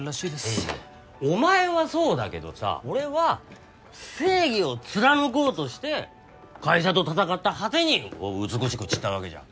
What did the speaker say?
いやいやお前はそうだけどさ俺は正義を貫こうとして会社と闘った果てにこう美しく散ったわけじゃん。